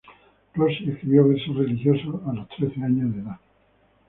Rossi escribió versos religiosos a los trece años de edad.